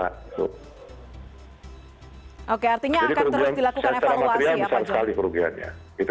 jadi kerugian selama material bisa sekali kerugiannya